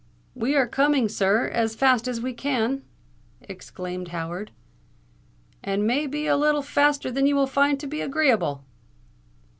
"We are coming, sir, as fast as we can!" exclaimed Howard: "and may be a little faster than you will find to be agreeable."